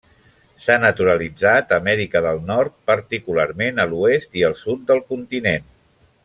S'ha naturalitzat a Amèrica del Nord, particularment a l'oest i el sud del continent.